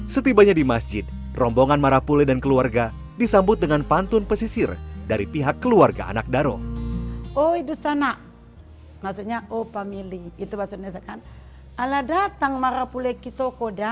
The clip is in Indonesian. setibanya di masjid rombongan marapule dan keluarga disambut dengan pantun pesisir dari pihak keluarga anak daro